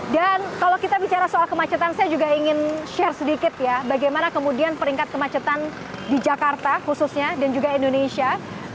dan kalau kita bicara soal kemacetan saya juga ingin share sedikit ya bagaimana kemudian peringkat kemacetan di jakarta khususnya dan juga indonesia